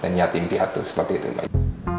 dan niat impiat itu seperti itu mbak